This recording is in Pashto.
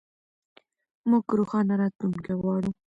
موږ روښانه راتلونکی غواړو.